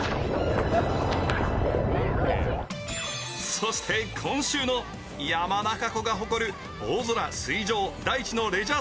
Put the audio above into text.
そして、今週の山中湖が誇る大空、水上、大地のレジャー